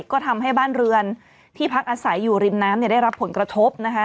ก็ทำให้บ้านเรือนที่พักอาศัยอยู่ริมน้ำได้รับผลกระทบนะคะ